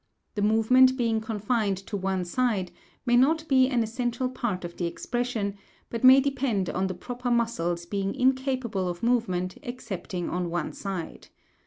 The movement being confined to one side may not be an essential part of the expression, but may depend on the proper muscles being incapable of movement excepting on one side.